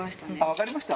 分かりました？